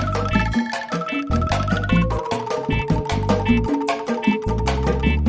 mak baru masuk